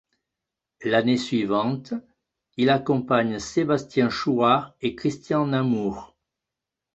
L’année suivante, il accompagne Sébastien Chouard et Christian Namour.